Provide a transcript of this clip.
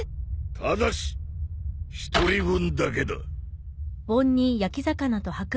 ただし１人分だけだ。